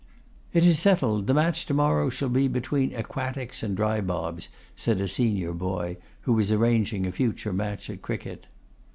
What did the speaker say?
'It is settled, the match to morrow shall be between Aquatics and Drybobs,' said a senior boy; who was arranging a future match at cricket.